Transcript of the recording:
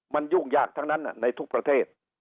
มันยุ่งยากทั้งนั้นในทุกประเทศ